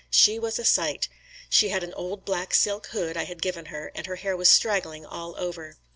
She was a sight. She had an old black silk hood I had given her and her hair was straggling all over.